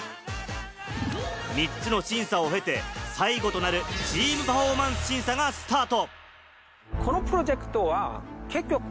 ３つの審査を経て、最後となるチーム・パフォーマンス審査がスタート。